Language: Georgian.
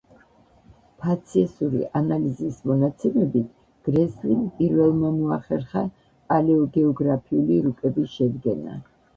ფაციესური ანალიზის მონაცემებით, გრესლიმ პირველმა მოახერხა პალეოგეოგრაფიული რუკების შედგენა.